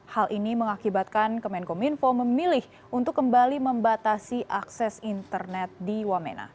hal ini mengakibatkan kemenkominfo memilih untuk kembali membatasi akses internet di wamena